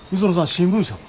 新聞社は？